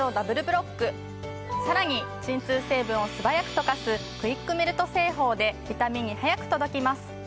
さらに鎮痛成分を素早く溶かすクイックメルト製法で痛みに速く届きます。